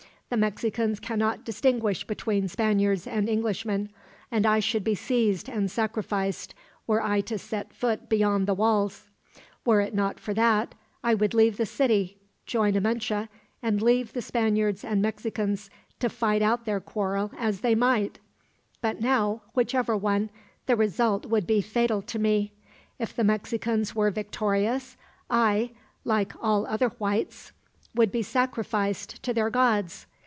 The Mexicans cannot distinguish between Spaniards and Englishmen, and I should be seized and sacrificed, were I to set foot beyond the walls. Were it not for that I would leave the city, join Amenche, and leave the Spaniards and Mexicans to fight out their quarrel as they might; but now, whichever won, the result would be fatal to me. If the Mexicans were victorious, I, like all other whites, would be sacrificed to their gods.